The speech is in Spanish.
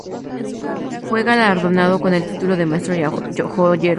Fue galardonado con el título de Maestro Joyero.